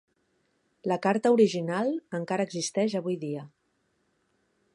La carta original encara existeix avui dia.